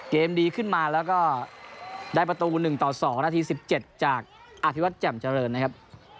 ดีขึ้นมาแล้วก็ได้ประตู๑ต่อ๒นาที๑๗จากอธิวัตรแจ่มเจริญนะครับ